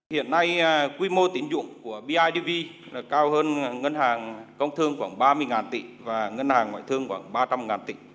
hiện nay quy mô tín dụng của bidv cao hơn ngân hàng công thương khoảng ba mươi tỷ và ngân hàng ngoại thương khoảng ba trăm linh tỷ